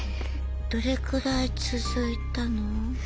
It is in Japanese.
どれくらい続いたの？